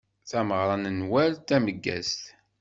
Tameɣṛa n Nwal tameggazt.